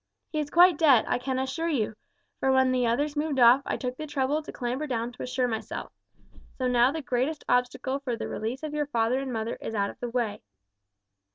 He is quite dead, I can assure you, for when the others moved off I took the trouble to clamber down to assure myself. So now the greatest obstacle to the release of your father and mother is out of the way."